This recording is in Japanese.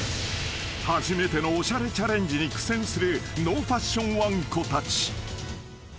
［初めてのおしゃれチャレンジに苦戦するノーファッションわんこたち］